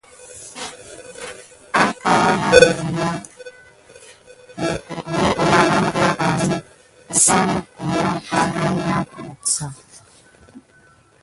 Arga wəlanga mekklakan ka kəssengen gla berya an moka si.